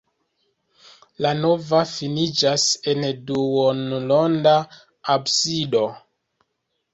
La navo finiĝas en duonronda absido.